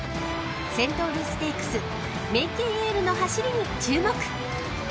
［セントウルステークスメイケイエールの走りに注目］